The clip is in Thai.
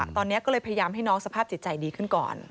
ตอนนี้ก็เลยพยายามให้น้องสภาพจิตใจดีขึ้นก่อน